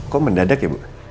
kok mendadak ya bu